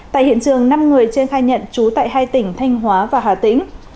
tại hiện trường năm người trên khai nhận trú tại hai tỉnh thanh hóa và hà tĩnh